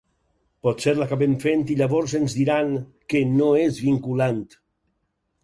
Potser l’acabem fent i llavors ens diran que no és vinculant.